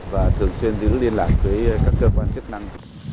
và thường xuyên giữ liên lạc với các cơ quan chức năng